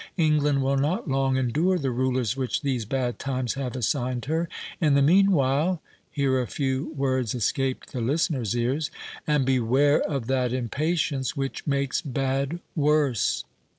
England will not long endure the rulers which these bad times have assigned her. In the meanwhile—[here a few words escaped the listener's ears]—and beware of that impatience, which makes bad worse."